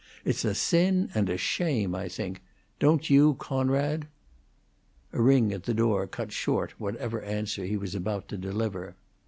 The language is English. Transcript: "It's a sin and a shame, I think. Don't you, Coonrod?" A ring at the door cut short whatever answer he was about to deliver.